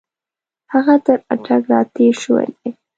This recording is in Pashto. هغه تر اټک را تېر شوی دی.